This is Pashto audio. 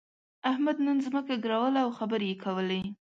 احمد نن ځمکه ګروله او خبرې يې کولې.